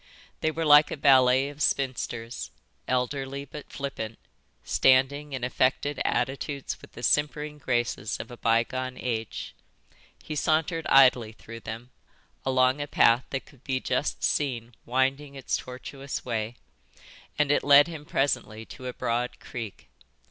They were like a ballet of spinsters, elderly but flippant, standing in affected attitudes with the simpering graces of a bygone age. He sauntered idly through them, along a path that could be just seen winding its tortuous way, and it led him presently to a broad creek.